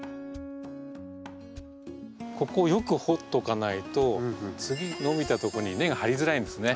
ここをよく掘っておかないと次伸びた所に根が張りづらいんですね。